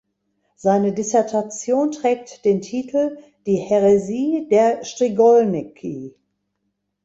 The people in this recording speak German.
Seine Dissertation trägt den Titel »Die Häresie der Strigol’niki«.